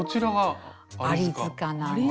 「アリ塚」なんです。